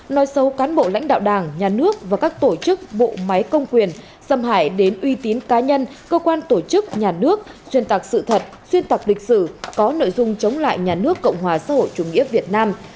nói xấu cán bộ lãnh đạo đảng nhà nước và các tổ chức bộ máy công quyền xâm hại đến uy tín cá nhân cơ quan tổ chức nhà nước xuyên tạc sự thật xuyên tạc lịch sử có nội dung chống lại nhà nước cộng hòa xã hội chủ nghĩa việt nam